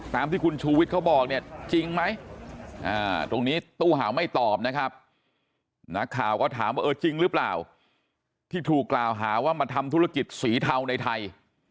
ตามที่คุณชูวิทย์เขาบอกเนี่ยจริงไหมตรงนี้ตู้หาวไม่ตอบนะครับนักข่าวก็ถามว่าเออจริงหรือเปล่าที่ถูกกล่าวหาว่ามาทำธุรกิจสีเทาในไทย